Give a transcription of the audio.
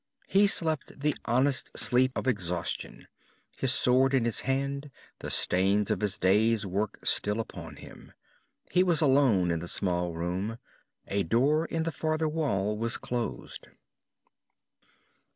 He slept the honest sleep of exhaustion, his sword in his hand, the stains of his day's work still upon him. He was alone in the small room. A door in the farther wall was closed.